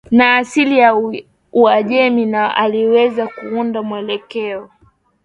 na asili ya Uajemi na aliweza kuunda mwelekeo